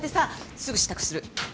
すぐ支度する！